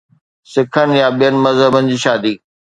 سکن يا ٻين مذهبن جي شادي.